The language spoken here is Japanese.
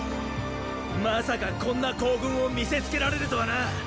まさかこんな行軍を見せつけられるとはな！